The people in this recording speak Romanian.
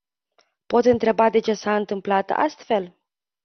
Pot întreba de ce s-a întâmplat astfel?